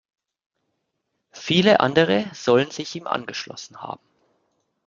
Viele andere sollen sich ihm angeschlossen haben.